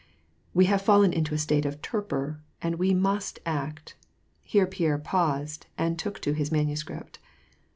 We have fallen into a state of torpor, and we must act." — Here Pierre paused and took to his manuscript.